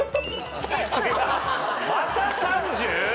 また３０！？